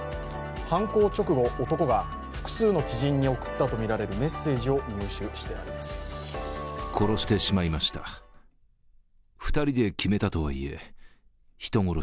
犯行直後、男が複数の知人に送ったとみられるメッセージを入手しました。